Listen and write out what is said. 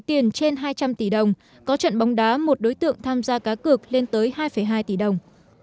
tiền trên hai trăm linh tỷ đồng có trận bóng đá một đối tượng tham gia cá cược lên tới hai hai tỷ đồng